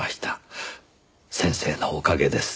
先生のおかげです。